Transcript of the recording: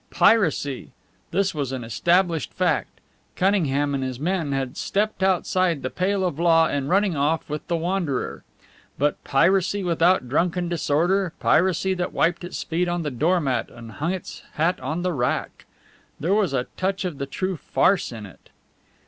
Piracy! This was an established fact. Cunningham and his men had stepped outside the pale of law in running off with the Wanderer. But piracy without drunken disorder, piracy that wiped its feet on the doormat and hung its hat on the rack! There was a touch of the true farce in it.